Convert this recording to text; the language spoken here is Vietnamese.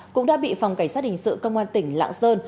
cũng đã bị phòng cảnh sát hình sự công an tỉnh lạng sơn